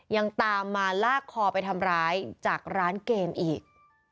ยังตามมาลากคอไปทำร้ายจากร้านเกมอีก